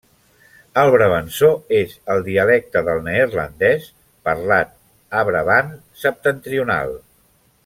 El brabançó és el dialecte del neerlandès parlat a Brabant Septentrional.